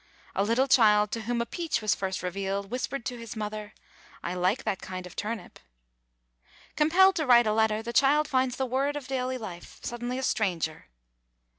A little child to whom a peach was first revealed, whispered to his mother, "I like that kind of turnip." Compelled to write a letter, the child finds the word of daily life suddenly a stranger.